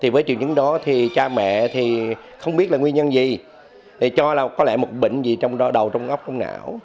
với triệu chứng đó cha mẹ không biết là nguyên nhân gì cho là có lẽ một bệnh gì trong đầu trong ngóc trong não